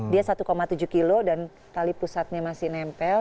dia satu tujuh kilo dan tali pusatnya masih nempel